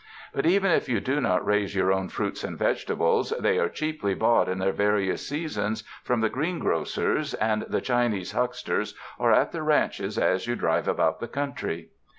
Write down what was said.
But even if you do not raise your own fruits and vegetables, they are cheaply bought in their various seasons from the green grocers and the Chinese hucksters, or at the ranches as you drive about the country.